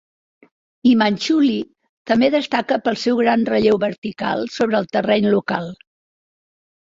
Himalchuli també destaca pel seu gran relleu vertical sobre el terreny local.